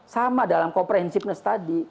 sama dalam komprehensiveness tadi